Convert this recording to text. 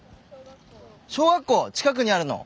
小学校近くにあるの？